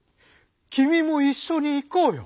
きみも一緒に行こうよ！